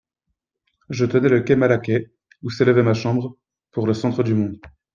Je tenais le quai Malaquais, ou s'élevait ma chambre, pour le centre du monde.